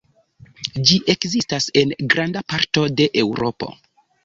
Ĝi ekzistas en granda parto de Eŭropo.